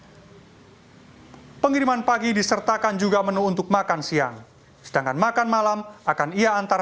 hai pengiriman pagi disertakan juga menu untuk makan siang sedangkan makan malam akan ia antar